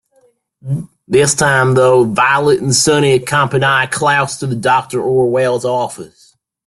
This time though, Violet and Sunny accompany Klaus to Doctor Orwell's office.